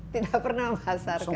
tidak pernah masarkan